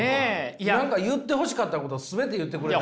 何か言ってほしかったこと全て言ってくれた。